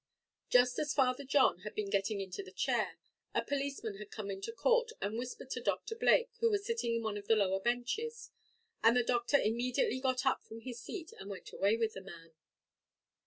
Just as Father John had been getting into the chair, a policeman had come into court and whispered to Doctor Blake, who was sitting in one of the lower benches; and the Doctor immediately got up from his seat and went away with the man.